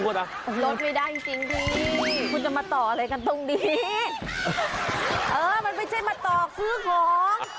ให้ใช่กินเวลามุดไม่ได้จริงทีคุณจะมาต่ออะไรกันตรงดีเออมันไม่ใช่มาต่อคือหง